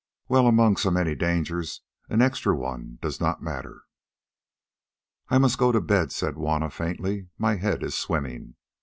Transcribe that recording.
Well, among so many dangers an extra one does not matter." "I must go to bed," said Juanna faintly; "my head is swimming.